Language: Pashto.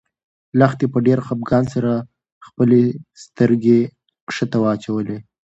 لښتې په ډېر خپګان سره خپلې سترګې ښکته واچولې.